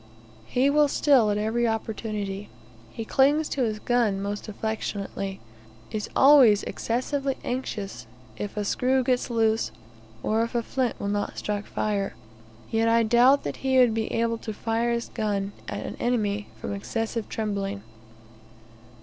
He will steal at every opportunity. He clings to his gun most affectionately; is always excessively anxious if a screw gets loose, or if a flint will not strike fire, yet I doubt that he would be able to fire his gun at an enemy from excessive trembling.